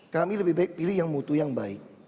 kami lebih baik pilih yang mutu yang baik